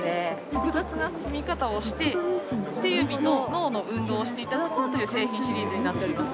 複雑な積み方をして。をしていただこうという製品シリーズになっております。